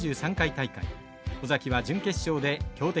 尾崎は準決勝で強敵